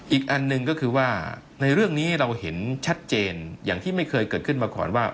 อีกอันหนึ่งก็คือว่าในเรื่องนี้เราเห็นชัดเจนอย่างที่ไม่เคยเกิดขึ้นมาก่อนว่า